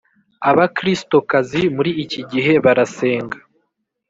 Abakiristokazi muri iki gihe barasenga.